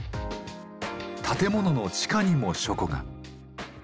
建物の地下にも書庫が。